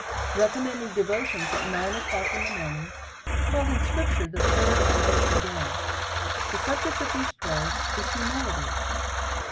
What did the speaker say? Recommending Devotion at nine o'clock in the morn ing, called in Scripture the third hour of the day. The subject of these prayers is humility.